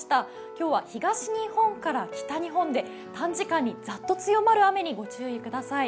今日は東日本から北日本で短時間にザッと強まる雨にご注意ください。